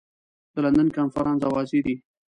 د لندن کنفرانس اوازې دي.